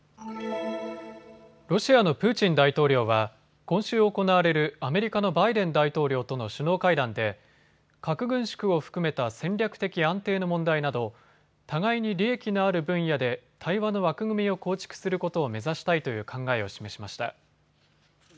ロシアのプーチン大統領は今週行われるアメリカのバイデン大統領との首脳会談で核軍縮を含めた戦略的安定の問題など互いに利益のある分野で対話の枠組みを構築することを目指したいという考えを示しました。